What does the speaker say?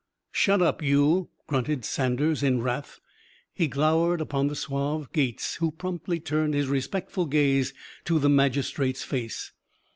"Shut up, you!" grunted Saunders in wrath. He glowered upon the suave Gates, who promptly turned his respectful gaze to the magistrate's face.